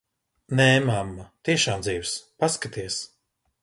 Nē, mamma, tiešām dzīvs. Paskaties.